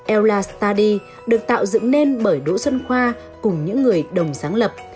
ella study được tạo dựng nên bởi đỗ xuân khoa cùng những người đồng sáng lập